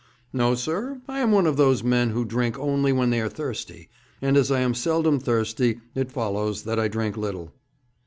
'No, sir. I am one of those men who drink only when they are thirsty, and as I am seldom thirsty it follows that I drink little.'